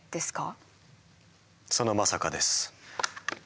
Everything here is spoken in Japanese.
そのまさかです。